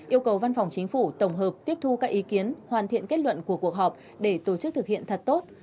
yêu cầu văn phòng chính phủ tổng hợp tiếp thu các ý kiến hoàn thiện kết luận của cuộc họp để tổ chức thực hiện thật tốt